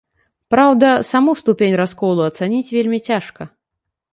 Праўда, саму ступень расколу ацаніць вельмі цяжка.